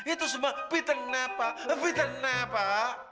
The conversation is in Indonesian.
itu semua fitnah pak fitnah pak